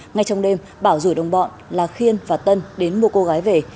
ngay trong đêm bảo rủi đồng bọn là khiên và tân đến mua cô gái về